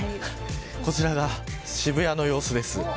こちらが渋谷の様子です。